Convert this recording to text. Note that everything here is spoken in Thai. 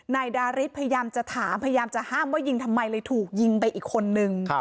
นายดาริสพยายามจะถามพยายามจะห้ามว่ายิงทำไมเลยถูกยิงไปอีกคนนึง